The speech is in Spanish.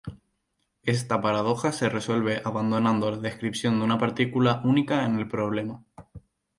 Esta paradoja se resuelve abandonando la descripción de una partícula única en el problema.